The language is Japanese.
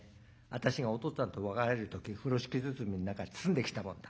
私がおとっつぁんと別れる時風呂敷包みん中包んできたもんだ。